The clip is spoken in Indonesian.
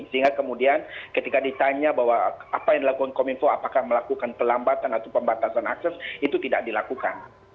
sehingga kemudian ketika ditanya bahwa apa yang dilakukan kominfo apakah melakukan pelambatan atau pembatasan akses itu tidak dilakukan